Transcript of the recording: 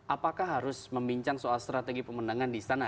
apakah harus membincang soal strategi pemenangan di istana